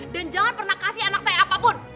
dan jangan pernah kasih anak saya apapun